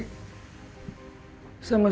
saya tidak peduli